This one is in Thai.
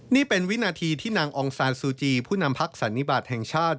นี่เป็นวินาทีที่นางองซานซูจีผู้นำพักสันนิบาทแห่งชาติ